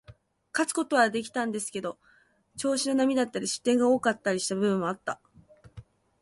勝つことはできたんですけど、調子の波だったり、失点が多かったりした部分もあった。